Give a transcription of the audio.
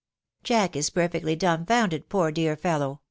" Jack is perfectly dumfoundered, poor, dear fellow